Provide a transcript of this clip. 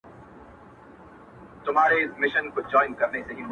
اوښکي نه راتویومه خو ژړا کړم.